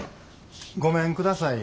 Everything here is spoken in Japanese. ごめんください。